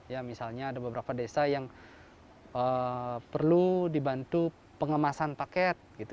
ya misalnya ada beberapa desa yang perlu dibantu pengemasan paket gitu